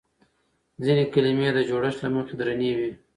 ځينې کلمې د جوړښت له مخې درنې وي.